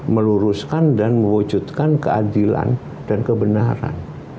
meluruskan dan mewujudkan keadilan dan kebenaran